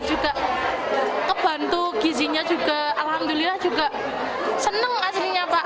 untuk gizinya juga alhamdulillah juga seneng aslinya pak